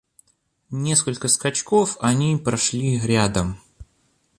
Несколько скачков они прошли рядом.